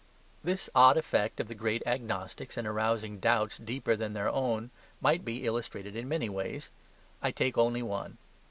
This odd effect of the great agnostics in arousing doubts deeper than their own might be illustrated in many ways. I take only one.